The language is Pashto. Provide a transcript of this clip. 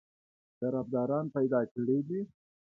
طرفداران پیدا کړي دي.